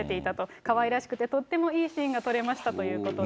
かわいらしくて、とってもいいシーンが撮れましたということです。